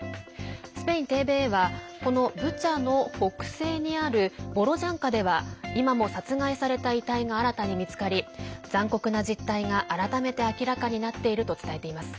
スペインＴＶＥはこのブチャの北西にあるボロジャンカでは今も殺害された遺体が新たに見つかり、残酷な実態が改めて明らかになっていると伝えています。